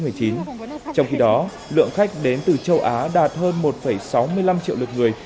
trong khi đó lượng khách đến từ châu á đạt hơn một sáu mươi năm triệu lượt người